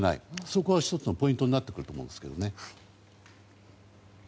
そこは１つのポイントになってくると思うんですけどね。